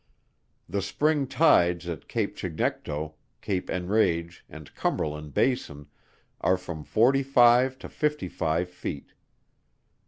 The spring tides at Cape Chignecto, Cape Enrage, and Cumberland bason, are from forty five to fifty five feet.